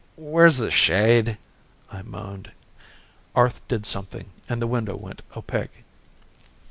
"Where's the shade," I moaned. Arth did something and the window went opaque.